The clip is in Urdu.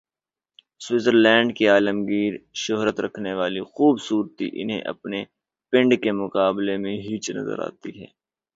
سوئٹزر لینڈ کی عالمگیر شہرت رکھنے والی خوب صورتی انہیں اپنے "پنڈ" کے مقابلے میں ہیچ نظر آتی ہے۔